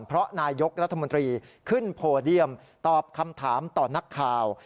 เพราะนายกรัฐมนตรีขึ้นโพเดียมตอบคำถามต่อนักข่าว